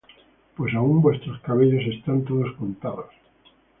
Pues aun vuestros cabellos están todos contados.